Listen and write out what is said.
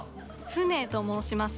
フネと申します。